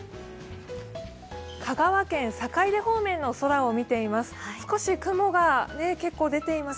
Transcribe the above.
香川県坂出方面の空を見ています。